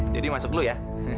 jadi masuk dulu ya